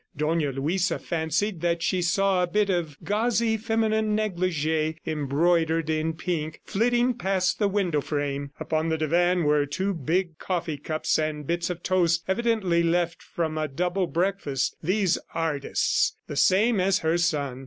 Dona Luisa fancied that she saw a bit of gauzy feminine negligee embroidered in pink, flitting past the window frame. Upon the divan were two big coffee cups and bits of toast evidently left from a double breakfast. These artists! ... The same as her son!